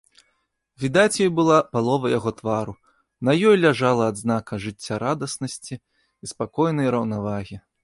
Відаць ёй была палова яго твару, на ёй ляжала адзнака жыццярадаснасці і спакойнай раўнавагі.